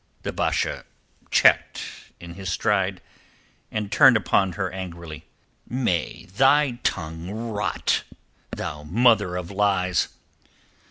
The Basha checked in his stride, and turned upon her angrily. "May thy tongue rot, thou mother of lies!"